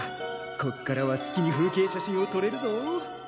こっからは好きに風景写真をとれるぞ。